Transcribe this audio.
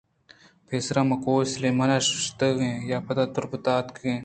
پیسر ءَ ما کوه ءِ سلیمان ءَ گشت اِیں پَد ءَ تْربت ءَ اَتک اِیں